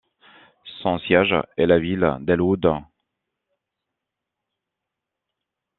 Son siège est la ville d'Elwood.